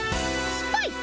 スパイ。